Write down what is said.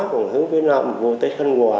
còn hướng phía nam thì ra tới thanh hòa